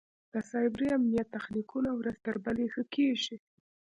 د سایبري امنیت تخنیکونه ورځ تر بلې ښه کېږي.